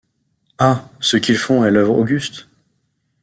Ah ! ce qu’ils font est l’œuvre auguste.